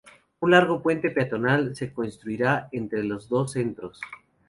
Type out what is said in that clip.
Un largo puente peatonal se construirá entre las dos centros.